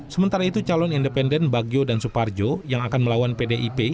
sementara itu calon independen bagyo dan suparjo yang akan melawan pdip